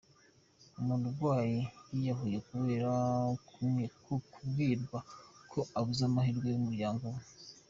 Umurwayi yiyahuye kubera kubwirwa ko abuza amahirwe umuryango we .